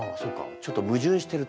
ちょっと矛盾してるというか。